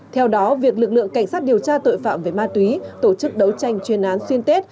theo đó việc lực lượng cảnh sát điều tra tội phạm về ma túy tổ chức đấu tranh chuyên án xuyên tết